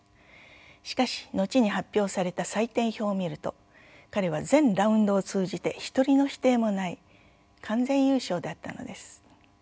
しかし後に発表された採点表を見ると彼は全ラウンドを通じて一人の否定もない完全優勝だったのです。